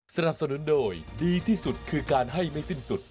สนับสนุนโดยดีที่สุดคือการให้ไม่สิ้นสุด